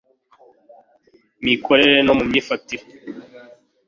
mikorere no mu myifatire